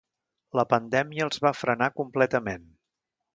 La pandèmia els va frenar completament.